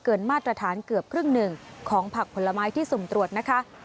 มาตรฐานเกือบครึ่งหนึ่งของผักผลไม้ที่สุ่มตรวจนะคะ